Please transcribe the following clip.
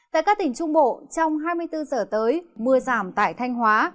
tại các tỉnh trung bộ trong hai mươi bốn giờ tới mưa giảm tại thanh hóa